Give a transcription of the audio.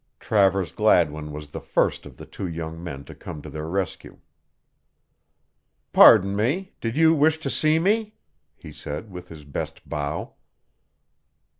Travers Gladwin was the first of the two young men to come to their rescue. "Pardon me! Did you wish to see me?" he said with his best bow.